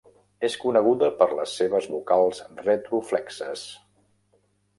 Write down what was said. És coneguda per les seves vocals retroflexes.